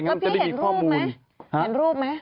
แล้วพี่เห็นรูปไหมมันจะได้มีข้อมูล